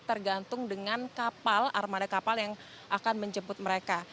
tergantung dengan kapal armada kapal yang akan menjemput mereka